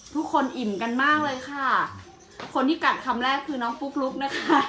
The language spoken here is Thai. อิ่มกันมากเลยค่ะคนที่กัดคำแรกคือน้องปุ๊กลุ๊กนะคะ